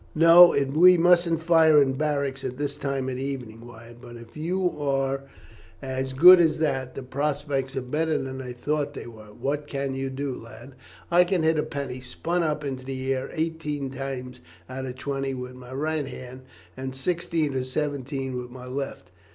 "No, we mustn't fire in barracks at this time of the evening, Wyatt. But if you are as good as that, the prospects are better than I thought they were. What can you do, lad?" "I can hit a penny spun up into the air eighteen times out of twenty with my right hand, and sixteen or seventeen with my left."